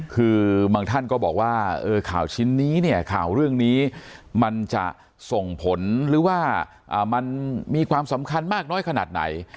คือบางท่านก็บอกว่าข่าวชิ้นนี้เนี่ยข่าวเรื่องนี้มันจะส่งผลหรือว่ามันมีความสำคัญมากน้อยขนาดไหน